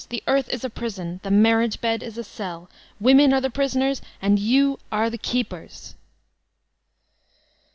The earth is a prison, the mar* riage bed is a cell, women are the prisoners, and you are the keepers!